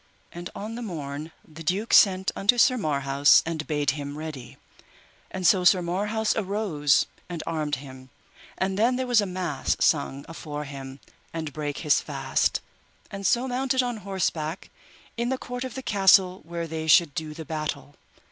And on the morn the duke sent unto Sir Marhaus and bade make him ready. And so Sir Marhaus arose and armed him, and then there was a mass sung afore him, and brake his fast, and so mounted on horseback in the court of the castle where they should do the battle.